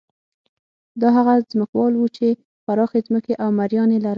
دا هغه ځمکوال وو چې پراخې ځمکې او مریان یې لرل.